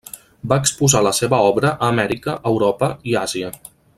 Va exposar la seva obra a Amèrica, Europa i Àsia.